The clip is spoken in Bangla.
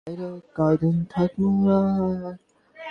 কিন্তু আমি এবার তোমার প্রতিশ্রুতি নিয়ে নিশ্চিত।